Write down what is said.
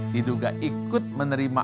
diduga ikut menerima